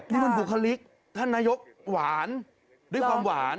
นี่มันบุคลิกท่านนายกหวานด้วยความหวาน